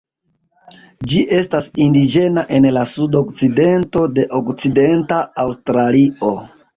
Ĝi estas indiĝena en la sudokcidento de Okcidenta Aŭstralio.